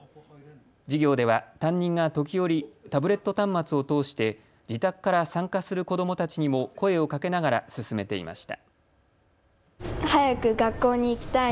授業では担任が時折、タブレット端末を通して自宅から参加する子どもたちにも声をかけながら進めていました。